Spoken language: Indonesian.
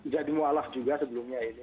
jadi mu'alaf juga sebelumnya ini